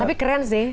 tapi keren sih